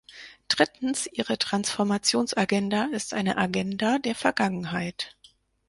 Drittens, Ihre Transformationsagenda ist eine Agenda der Vergangenheit.